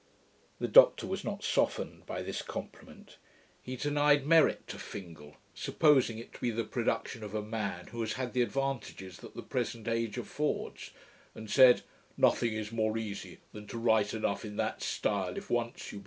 The Doctor was not softened by this compliment. He denied merit to Fingal, supposing it to be the production of a man who has had the advantages that the present age affords; and said, 'nothing is more easy than to write enough in that style if once you begin'.